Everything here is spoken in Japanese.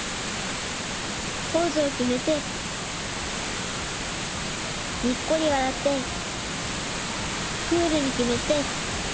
ポーズをきめてにっこりわらってクールにきめて。